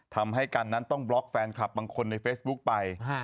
ทำให้กันนั้นต้องบล็อกแฟนคลับบางคนในเฟซบุ๊กไป